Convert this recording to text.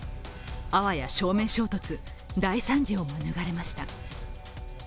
あわや正面衝突、大惨事を免れました。